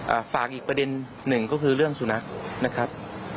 อ่าฝากอีกประเด็นหนึ่งก็คือเรื่องสุนัขนะครับ